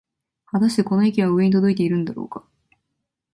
はたしてこの意見は上に届いているんだろうか